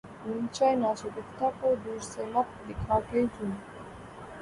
غنچۂ ناشگفتہ کو دور سے مت دکھا کہ یوں